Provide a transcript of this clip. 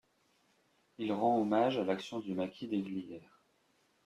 Il rend hommage à l'action du maquis des Glières.